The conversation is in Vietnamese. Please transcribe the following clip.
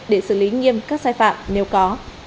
để xử lý nghiêm các sai phạm nếu có